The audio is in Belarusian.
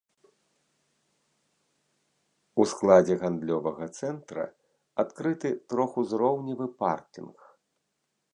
У складзе гандлёвага цэнтра адкрыты трохузроўневы паркінг.